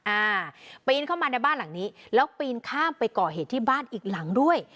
อ่าปีนเข้ามาในบ้านหลังนี้แล้วปีนข้ามไปก่อเหตุที่บ้านอีกหลังด้วย